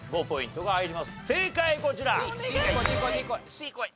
Ｃこい！